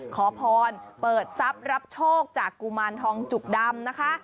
ขอพรเปิดทรัพย์รับโชคจากกุมารทองจุกดำนะคะ